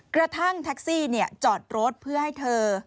กระทั่งแท็กซี่จอดรถเพื่อให้เธอ